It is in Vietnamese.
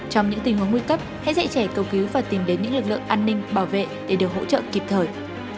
trong những tình huống nguy cấp hãy dạy trẻ cầu cứu và tìm đến những lực lượng an ninh bảo vệ để được hỗ trợ kịp thời